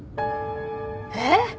えっ！